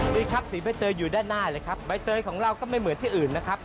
นี่ครับสีใบเตยอยู่ด้านหน้าเลยครับใบเตยของเราก็ไม่เหมือนที่อื่นนะครับ